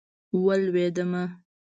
ولوېدمه.